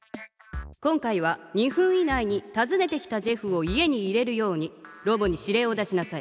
今回は２分以内にたずねてきたジェフを家に入れるようにロボに指令を出しなさい。